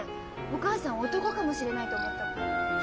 お母さん男かもしれないと思ったもん。